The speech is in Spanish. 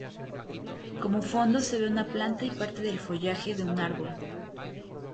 Como fondo se ve una planta y parte del follaje de un árbol.